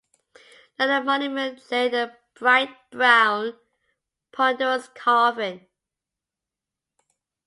Like a monument lay the bright brown, ponderous coffin.